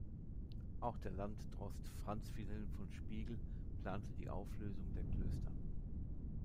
Auch der Landdrost Franz Wilhelm von Spiegel plante die Auflösung der Klöster.